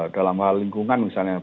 dalam hal lingkungan misalnya